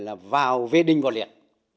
cùng đàn tập trung vào vệ đình võ liệt